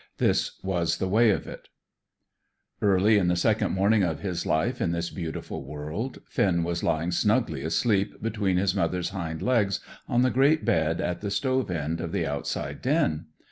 This was the way of it: Early on the second morning of his life in this beautiful world, Finn was lying snugly asleep between his mother's hind legs on the great bed at the stove end of the outside den.